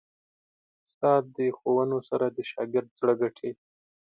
استاد د ښوونو سره د شاګرد زړه ګټي.